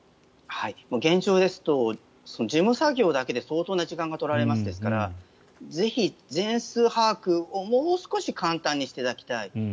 現状ですと事務作業だけで相当な時間が取られますからぜひ、全数把握をもう少し簡単にしていただきたい。